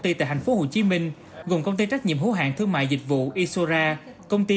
ty tại thành phố hồ chí minh gồm công ty trách nhiệm hữu hạn thương mại dịch vụ isora công ty